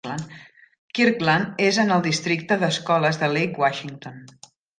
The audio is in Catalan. Kirkland és en el districte de escoles de Lake Washington.